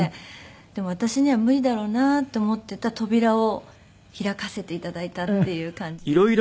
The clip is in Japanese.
でも私には無理だろうなと思っていた扉を開かせて頂いたっていう感じです。